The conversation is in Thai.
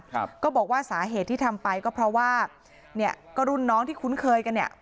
ครับก็บอกว่าสาเหตุที่ทำไปก็เพราะว่าเนี่ยก็รุ่นน้องที่คุ้นเคยกันเนี่ย